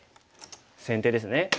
先手ですね。